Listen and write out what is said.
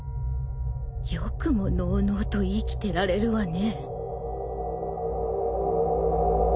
よくものうのうと生きてられるわね。